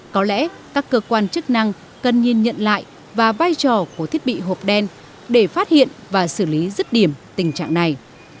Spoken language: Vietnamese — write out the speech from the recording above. có lẽ các cơ quan chức năng cần nhìn nhận lại và vai trò của thiết bị hộp đen để phát hiện và xử lý rứt điểm tình trạng này